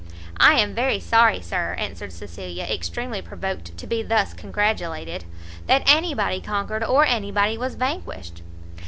"I am very sorry, Sir," answered Cecilia, extremely provoked to be thus congratulated, "that any body conquered, or any body was vanquished."